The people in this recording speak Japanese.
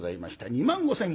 ２万５，０００